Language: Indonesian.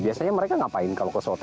biasanya mereka ngapain kalau ke soto